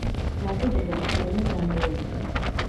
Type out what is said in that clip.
ნაგებობა მთლიანად დანგრეულია.